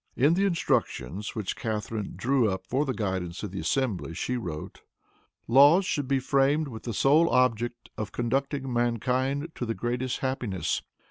In the instructions which Catharine drew up for the guidance of the assembly, she wrote, "Laws should be framed with the sole object of conducting mankind to the greatest happiness.